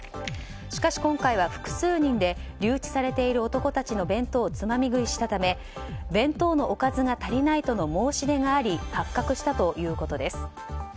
しかし、今回は複数人で留置されている男たちの弁当をつまみ食いしたため弁当のおかずが足りないとの申し出があり発覚したということです。